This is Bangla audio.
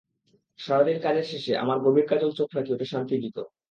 সারা দিন কাজের শেষে আমার গভীর কাজল চোখ নাকি ওকে শান্তি দিত।